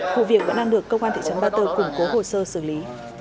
vụ việc vẫn đang được công an thị trấn ba tơ củng cố hồ sơ xử lý